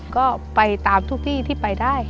ก็ไปตามทุกที่ที่ไปได้